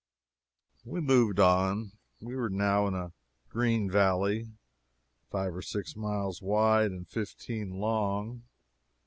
We moved on. We were now in a green valley, five or six miles wide and fifteen long.